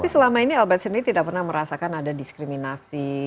tapi selama ini albert sendiri tidak pernah merasakan ada diskriminasi